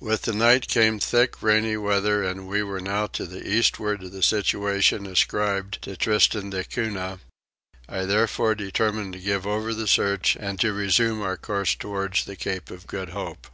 With the night came thick rainy weather and we were now to the eastward of the situation ascribed to Tristan da Cunha; I therefore determined to give over the search and to resume our course towards the Cape of Good Hope.